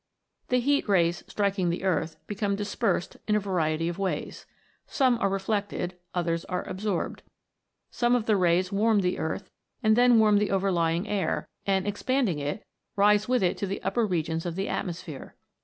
The heat rays striking the earth, become dispersed in a variety of ways. Some are reflected, others are absorbed. Some of the rays warm the earth, and then warm the overlying air, and expanding it, rise with it to the upper regions of the atmosphere.